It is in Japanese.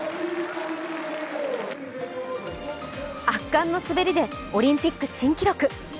圧巻の滑りでオリンピック新記録。